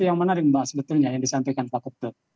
hal yang menarik yang sebetulnya disampaikan pak ketut